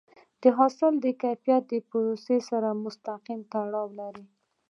د حاصل کیفیت د پروسس سره مستقیم تړاو لري.